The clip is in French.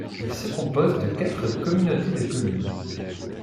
Il se compose de quatre communautés de communes.